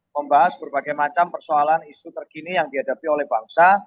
membahas berbagai macam persoalan isu terkini yang dihadapi oleh bangsa